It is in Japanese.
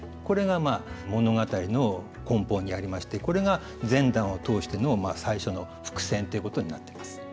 これが物語の根本にありましてこれが全段を通しての最初の伏線ということになっています。